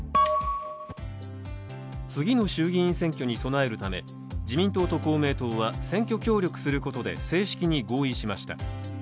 次の衆議院選挙に備えるため、自民党と公明党は選挙協力することで、正式に合意しました。